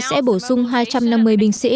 sẽ bổ sung hai trăm năm mươi binh sĩ